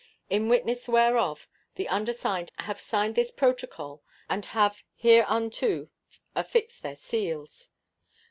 In witness whereof the undersigned have signed this protocol and have hereunto affixed their seals.